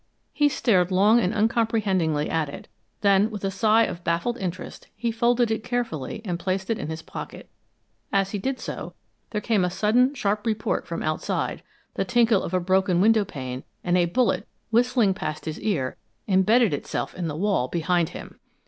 He stared long and uncomprehendingly at it; then with a sigh of baffled interest he folded it carefully and placed it in his pocket. As he did so, there came a sudden sharp report from outside, the tinkle of a broken window pane, and a bullet, whistling past his ear, embedded itself in the wall behind him!